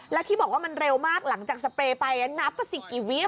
และที่บอกว่ามันเร็วมากหลังจากสเปรย์ไปนับเศรษฐกญาณค์กี่วี